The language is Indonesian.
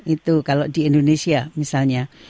itu kalau di indonesia misalnya